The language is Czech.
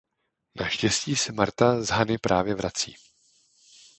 Naštěstí se Martha s Honey právě vrací.